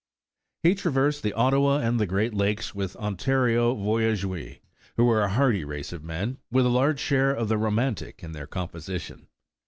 He traversed the Ottawa and the Great Lakes with Ontario voyageui^, who were a hardy race of men, with a large share of the romantic in their composition.